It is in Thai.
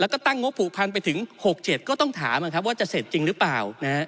แล้วก็ตั้งงบผูกพันไปถึง๖๗ก็ต้องถามว่าจะเสร็จจริงหรือเปล่า